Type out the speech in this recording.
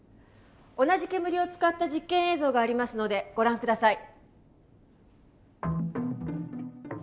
同じ煙を使った実験映像がありますのでご覧下さい。